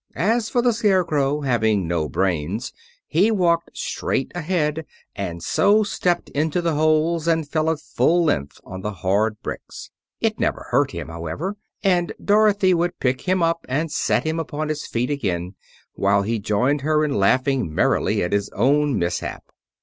As for the Scarecrow, having no brains, he walked straight ahead, and so stepped into the holes and fell at full length on the hard bricks. It never hurt him, however, and Dorothy would pick him up and set him upon his feet again, while he joined her in laughing merrily at his own mishap.